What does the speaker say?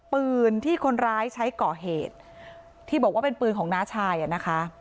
ปืนที่คนร้ายใช้ก่อเหตุที่บอกว่าเป็นปืนของน้าชายอ่ะนะคะ